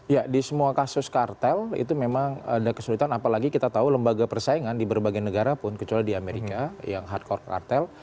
ya di semua kasus kartel itu memang ada kesulitan apalagi kita tahu lembaga persaingan di berbagai negara pun kecuali di amerika yang hardcore kartel